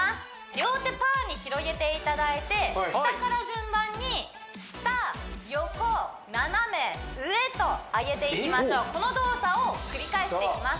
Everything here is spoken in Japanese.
両手パーに広げていただいて下から順番に下横斜め上と上げていきましょうこの動作を繰り返していきます